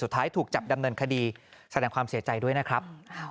สุดท้ายถูกจับดำเนินคดีแสดงความเสียใจด้วยนะครับ